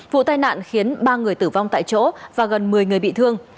vụ tai nạn khiến ba người tử vong tại chỗ và gần một mươi người bị thương